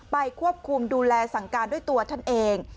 ควบคุมดูแลสั่งการด้วยตัวท่านเอง